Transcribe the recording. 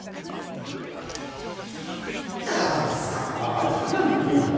あいつ加賀美っていうんだ。